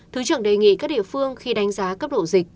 thứ trưởng đề nghị các địa phương khi đánh giá cấp độ dịch